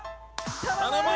頼む！